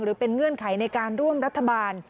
หรือเป็นเงื่อนไขในการร่วมรัฐบาล